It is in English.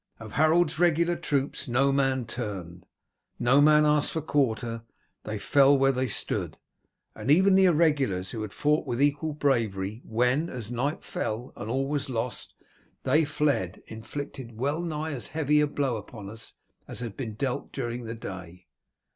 Of Harold's regular troops no man turned, no man asked for quarter, they fell where they stood; and even the irregulars, who had fought with equal bravery, when, as night fell and all was lost, they fled, inflicted well nigh as heavy a blow upon us as had been dealt during the day.